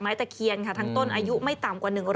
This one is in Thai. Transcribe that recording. ไม้ตะเคียนทั้งต้นอายุไม่ต่ำกว่า